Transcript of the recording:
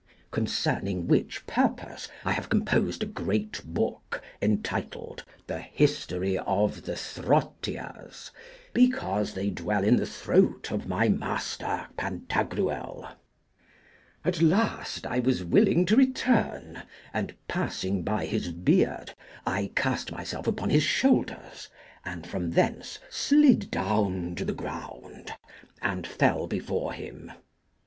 Concerning which purpose I have composed a great book, entitled, The History of the Throttias, because they dwell in the throat of my master Pantagruel. At last I was willing to return, and, passing by his beard, I cast myself upon his shoulders, and from thence slid down to the ground, and fell before him.